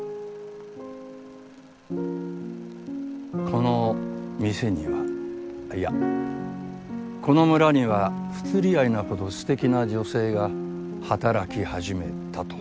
この店にはいやこの村には不釣り合いなほど素敵な女性が働き始めたと。